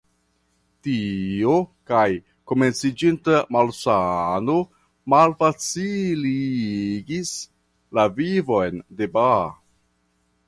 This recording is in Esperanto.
Tio kaj komenciĝinta malsano malfaciligis la vivon de Barth.